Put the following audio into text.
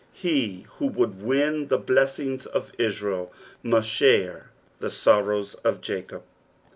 He who would win the blessinf^ of Israel must share the sorrows of Jacob.